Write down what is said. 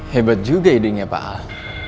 hebat juga idenya pak al